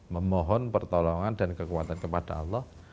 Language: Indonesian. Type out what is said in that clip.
memohon pertolongan dan kekuatan kepada allah